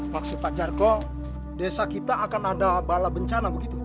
pak supacarko desa kita akan ada bala bencana begitu